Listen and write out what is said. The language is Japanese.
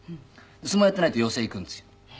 相撲やっていないと寄席へ行くんですよ。